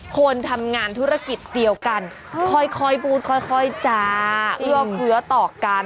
คนทำงานธุรกิจเดียวกันค่อยพูดค่อยจ้าเอื้อเคื้อต่อกัน